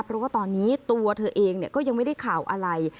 เพราะว่าตอนนี้ตัวเธอเองก็ยังไม่ได้ข่าวอะไร